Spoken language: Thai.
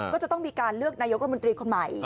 ก็จะต้องมีการเลือกนายกรัฐมนตรีคนใหม่